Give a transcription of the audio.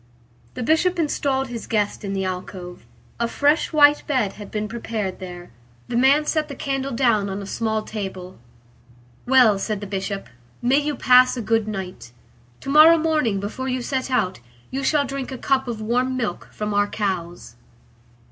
The Bishop installed his guest in the alcove. A fresh white bed had been prepared there. The man set the candle down on a small table. "Well," said the Bishop, "may you pass a good night. To morrow morning, before you set out, you shall drink a cup of warm milk from our cows."